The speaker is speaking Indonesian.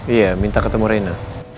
iya minta ketemu rena